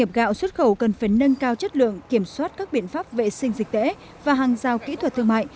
eu cần phải nâng cao chất lượng kiểm soát các biện pháp vệ sinh dịch tễ và hàng giao kỹ thuật thương mại